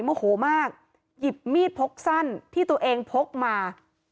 โมโหมากหยิบมีดพกสั้นที่ตัวเองพกมา